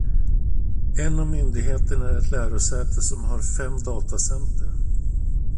En av myndigheterna är ett lärosäte som har fem datacenter.